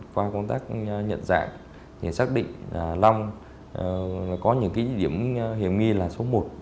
qua công tác nhận dạng nhờ xác định là long có những cái điểm hiểu nghi là số một